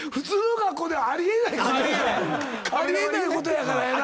あり得ないことやからやな。